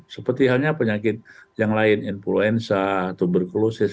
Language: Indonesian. seperti halnya penyakit yang lain influenza tuberkulosis